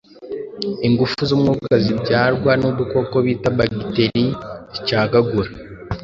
Ingufu z’umwuka zibyarwa n’udukoko bita bagiteri zicagagura